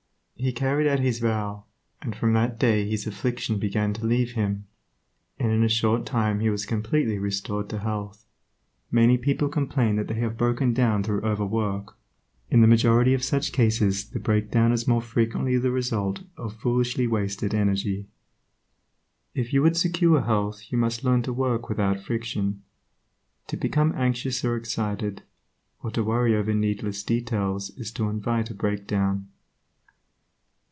He carried out his vow, and from that day his affliction began to leave him, and in a short time he was completely restored to health. Many people complain that they have broken down through over work. In the majority of such cases the breakdown is more frequently the result of foolishly wasted energy. If you would secure health you must learn to work without friction. To become anxious or excited, or to worry over needless details is to invite a breakdown.